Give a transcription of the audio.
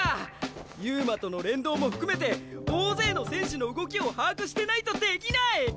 遊馬との連動も含めて大勢の選手の動きを把握してないとできない！